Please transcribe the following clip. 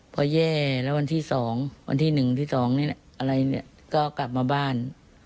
พอแย่แล้ววันที่สองวันที่หนึ่งวันที่สองนี่อะไรนี่ก็กลับมาบ้าน